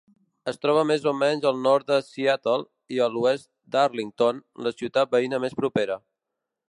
Es troba més o menys al nord de Seattle i a l'oest d'Arlington, la ciutat veïna més propera.